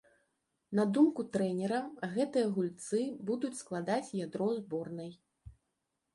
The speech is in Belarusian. На думку трэнера, гэтыя гульцы будуць складаць ядро зборнай.